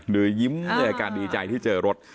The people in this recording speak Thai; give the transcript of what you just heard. ดูยิ้มการดีใจที่เจอรถ